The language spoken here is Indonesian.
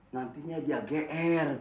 nantinya dia gr